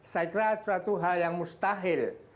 saya kira suatu hal yang mustahil